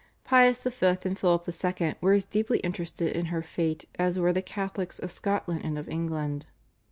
Pius V. and Philip II. were as deeply interested in her fate as were the Catholics of Scotland and of England.